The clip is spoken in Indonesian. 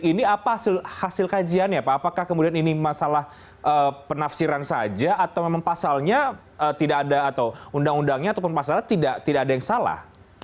ini apa hasil kajiannya pak apakah kemudian ini masalah penafsiran saja atau memang pasalnya tidak ada atau undang undangnya ataupun pasalnya tidak ada yang salah